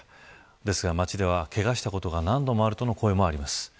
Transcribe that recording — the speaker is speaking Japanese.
ですが、街ではけがをしたことが何度もあるとの声もあります。